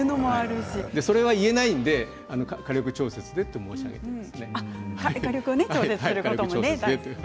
それは言えないので火力調節でと申し上げたんです。